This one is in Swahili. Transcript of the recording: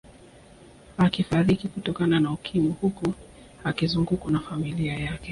Akifariki kutokana na Ukimwi huku akizungukwa na familia yake